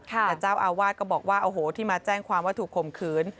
แต่เจ้าอาวาสก็บอกว่าโอ้โหที่มาแจ้งความว่าถูกข่มขืน